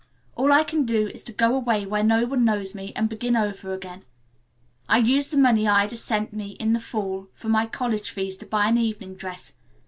All I can do is to go away where no one knows me, and begin over again. I used the money Ida sent me in the fall for my college fees to buy an evening dress.